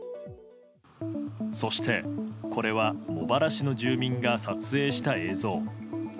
そして、これは茂原市の住民が撮影した映像。